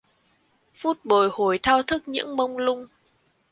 Phút bồi hồi thao thức những mông lung